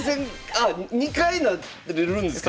そう２回なれるんですよ。